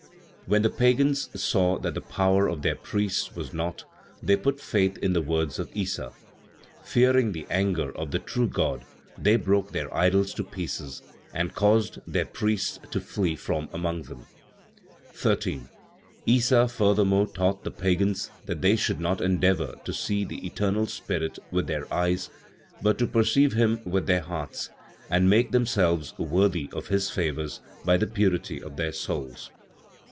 When the Pagans saw that the power of their priests was naught, they put faith in the words of Issa. Fearing the anger of the true God, they broke their idols to pieces and caused their priests to flee from among them. 13. Issa furthermore taught the Pagans that they should not endeavor to see the eternal Spirit with their eyes; but to perceive Him with their hearts, and make themselves worthy of His favors by the purity of their souls.